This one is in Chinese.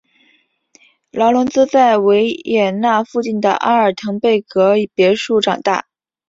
劳伦兹在维也纳附近的阿尔滕贝格别墅长大。